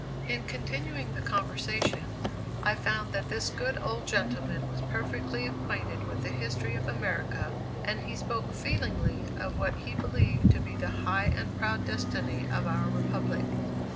In continuing the conversation, I found that this good old gentleman was perfectly acquainted with the history of America, and he spoke feelingly of what he believed to be the high and proud destiny of our republic.